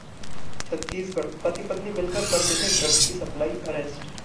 छत्तीसगढ़: पति-पत्नी मिलकर करते थे ड्रग्स की सप्लाई, अरेस्ट